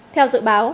theo dự báo